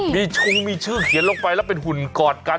มีชุงมีชื่อเขียนลงไปแล้วเป็นหุ่นกอดกัน